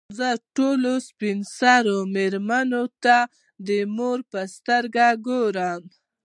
زه ټولو سپین سرو مېرمنو ته د مور په سترګو ګورم.